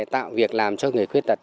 tạo việc làm cho người khuyết tật